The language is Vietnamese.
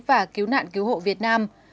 và cứu nạn cứu hộ việt nam